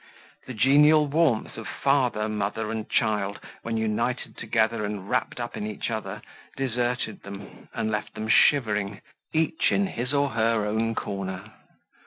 The genial warmth of father, mother and child, when united together and wrapped up in each other, deserted them, and left them shivering, each in his or her own corner.